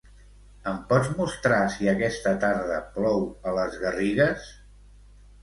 Em pots mostrar si aquesta tarda plou a les Garrigues?